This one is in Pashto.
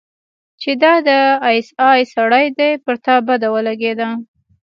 چې دا د آى اس آى سړى دى پر تا بده ولګېده.